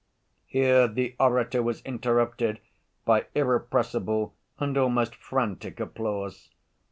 (Here the orator was interrupted by irrepressible and almost frantic applause.